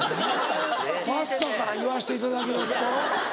パスタから言わせていただきますと。